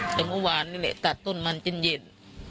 เมื่อวานนี้เลยตัดต้นมันจนเย็น